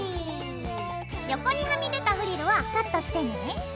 横にはみ出たフリルはカットしてね。